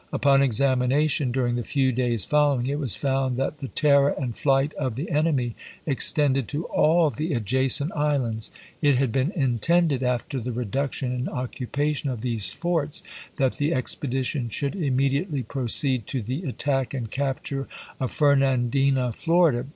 Upon examination during the few days following, it was found that the terror and flight of the enemy extended to all the adjacent islands. It had been intended, after the reduction and occu pation of these forts, that the expedition should immediately proceed to the attack and capture of Fornandina, Florida.